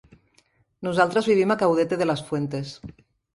Nosaltres vivim a Caudete de las Fuentes.